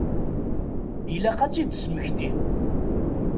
Ilaq ad t-id-smektin.